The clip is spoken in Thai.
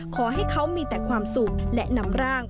ขอให้เขามีแต่ความสุขและนำร่าง